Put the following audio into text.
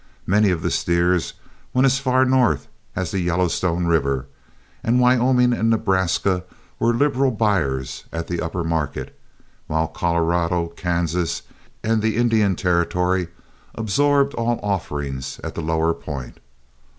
Many of the steers went as far north as the Yellowstone River, and Wyoming and Nebraska were liberal buyers at the upper market, while Colorado, Kansas, and the Indian Territory absorbed all offerings at the lower point.